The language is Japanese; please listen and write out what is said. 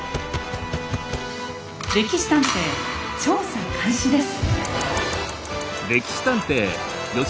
「歴史探偵」調査開始です。